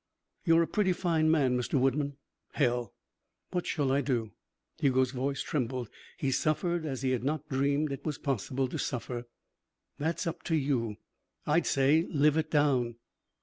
"You're a pretty fine man, Mr. Woodman." "Hell!" "What shall I do?" Hugo's voice trembled. He suffered as he had not dreamed it was possible to suffer. "That's up to you. I'd say, live it down."